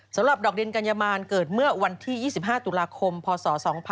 สำหรับดอกดินกัญญมานเกิดเมื่อวันที่๒๕ตุลาคมพศ๒๕๖๒